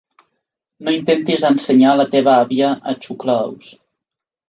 No intentis ensenyar a la teva àvia a xuclar ous.